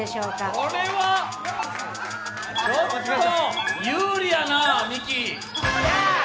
これはちょっと有利やな、ミキ。